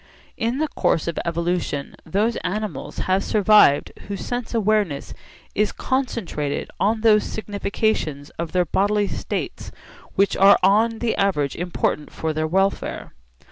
In the course of evolution those animals have survived whose sense awareness is concentrated on those significations of their bodily states which are on the average important for their welfare.